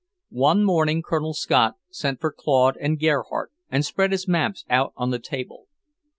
One morning Colonel Scott sent for Claude and Gerhardt and spread his maps out on the table.